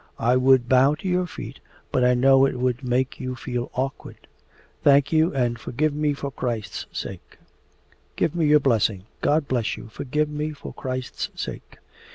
I would bow to your feet but I know it would make you feel awkward. Thank you, and forgive me for Christ's sake!' 'Give me your blessing.' 'God bless you! Forgive me for Christ's sake!